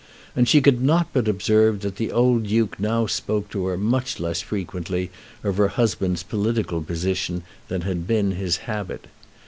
And she could not but observe that the old Duke now spoke to her much less frequently of her husband's political position than had been his habit.